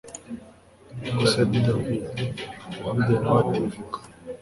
niko se davi david nawe ati vuga